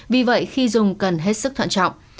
vì vậy khi dùng cần hết sức thoạn trọng